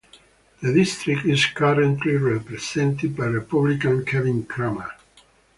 The district is currently represented by Republican Kevin Cramer.